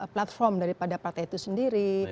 platform daripada partai itu sendiri